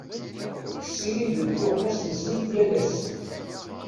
Ssirident tuɣmas-nsent yal ass.